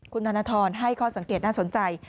คุณธนทรให้ข้อสังเกตน่าสนใจ